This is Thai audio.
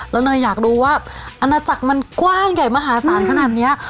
แล้วเนยอยากรู้ว่าอาณาจักรมันกว้างใหญ่มหาศาลขนาดนี้